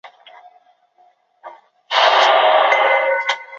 大冈镇是江苏省盐城市盐都区下属的一个镇。